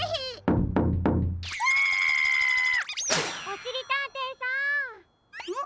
・おしりたんていさん！